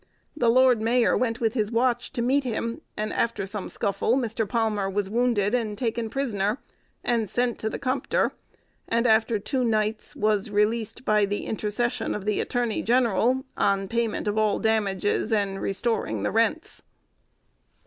The lord mayor went with his watch to meet him, and after some scuffle, Mr. Palmer was wounded and taken prisoner, and sent to the Compter, and, after two nights, was released, by the intercession of the attorney general, on payment of all damages, and restoring the rents.